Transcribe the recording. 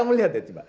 kamu liat deh cuma